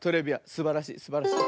すばらしいすばらしい。